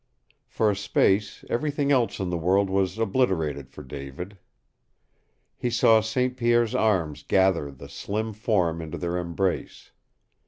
For a space everything else in the world was obliterated for David. He saw St. Pierre's arms gather the slim form into their embrace.